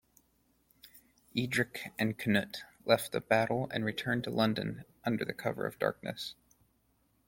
Eadric and Cnut left the battle and returned to London under cover of darkness.